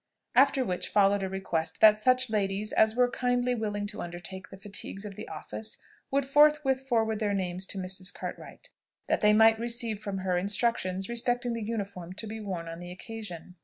After which followed a request that such ladies as were kindly willing to undertake the fatigues of the office, would forthwith forward their names to Mrs. Cartwright, that they might receive from her instructions respecting the uniform to be worn on the occasion.